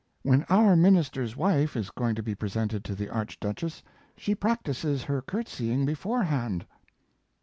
When our minister's wife is going to be presented to the Archduchess she practises her courtesying beforehand.